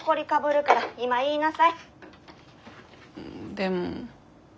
でも。